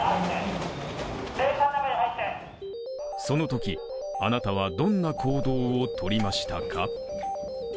そのとき、あなたはどんな行動をとりましたか。